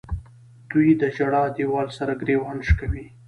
دوی د ژړا دیوال سره ګریوان شکوي.